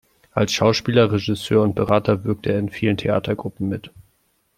Als Schauspieler, Regisseur und Berater wirkte er in vielen Theatergruppen mit.